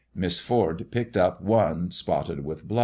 Miss Ford picked up one spotted with blood.